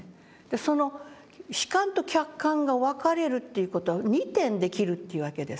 その主観と客観が分かれるという事は２点できるっていうわけです